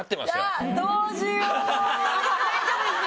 大丈夫です！